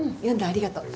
ありがとう。